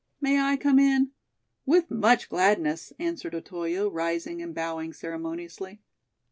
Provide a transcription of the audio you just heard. "May I come in?" "With much gladness," answered Otoyo, rising and bowing ceremoniously.